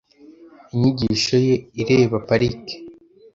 Inyigisho ye ireba parike .